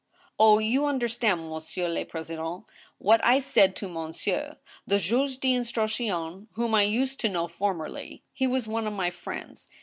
"Oh, you understand, monsieur le president, .•. what I said to monsieur, they*^^ d' instruction, whom I used to know former ly ; he was one of my friends.